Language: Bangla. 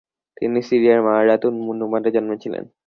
তিনি সিরিয়ার মারারাত উন-নুমানে ছিলেন।